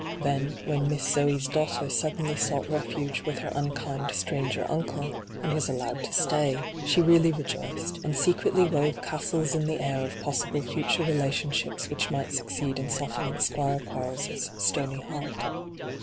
Then, when ' Miss Zoe's daughter ' sud denly sought refuge with her unkind stranger uncle, and was allowed to stay, she really rejoiced, and secretly wove castles in the air of possible future relationships which might suc ceed in softening Squire Quarles' stony heart.